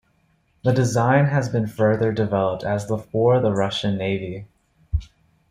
The design has been further developed as the for the Russian Navy.